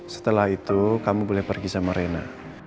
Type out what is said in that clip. setelah itu kamu boleh pergi sama rena